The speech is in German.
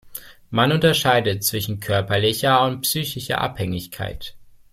Man unterscheidet zwischen körperlicher und psychischer Abhängigkeit.